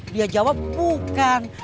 dia jawab bukan